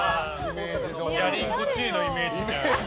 じゃりんこチエのイメージ。